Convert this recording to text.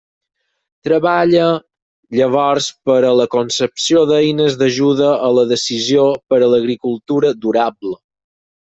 Treballa llavors per a la concepció d'eines d'ajuda a la decisió per a l'agricultura durable.